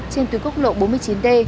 trên tuyến quốc lộ bốn mươi chín d